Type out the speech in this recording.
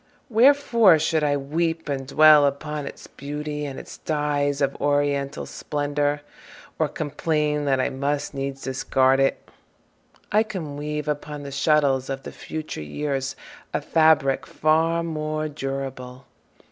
Wherefore should I weep And dwell upon its beauty, and its dyes Of oriental splendor, or complain That I must needs discard it? I can weave Upon the shuttles of the future years A fabric far more durable.